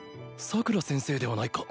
サクラ先生ではないか。